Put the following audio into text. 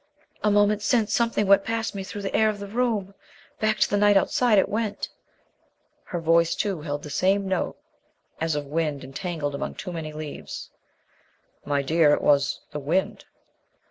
"A moment since something went past me through the air of the room. Back to the night outside it went." Her voice, too, held the same note as of wind entangled among too many leaves. "My dear, it was the wind."